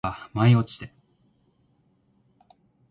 空から舞い落ちて